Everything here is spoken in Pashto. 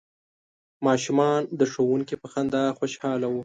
ماشومان د ښوونکي په خندا خوشحاله وو.